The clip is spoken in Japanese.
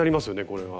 これは。